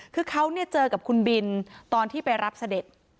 คือเขาเจอกับคุณบินตอนที่ไปรับเสด็จ